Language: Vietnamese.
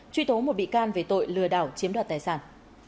truy tố một bị can về tội lừa đảo chiếm đoạt tài sản